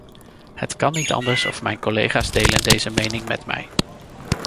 Het kan niet anders of mijn collega's delen deze mening met mij.